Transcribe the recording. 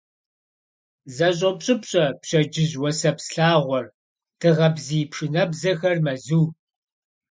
ЗэщӀопщӀыпщӀэ пщэдджыжь уасэпс лъагъуэр, дыгъэ бзий пшынэбзэхэр мэзу.